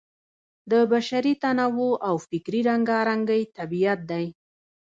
د بشري تنوع او فکري رنګارنګۍ طبیعت دی.